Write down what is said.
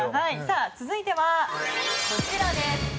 続いてはこちらです。